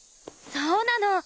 そうなの。